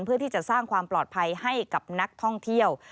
เพื่อที่จะสร้างความปลอดภัยให้กับนักท่องเที่ยว